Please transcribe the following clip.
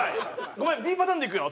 ごめんＢパターンでいくよ